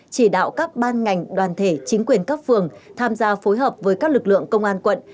chỉ đạo các ban ngành đoàn thể chính quyền các phường tham gia phối hợp với các lực lượng công an quận